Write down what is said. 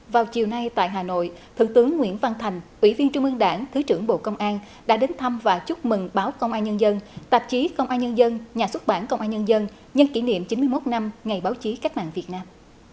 vào chiều nay tại hà nội thượng tướng nguyễn văn thành ủy viên trung ương đảng thứ trưởng bộ công an đã đến thăm và chúc mừng báo công an nhân dân tạp chí công an nhân dân nhà xuất bản công an nhân dân nhân kỷ niệm chín mươi một năm ngày báo chí cách mạng việt nam